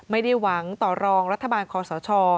ไม่ได้หวังต่อรองรัฐบาลคอสช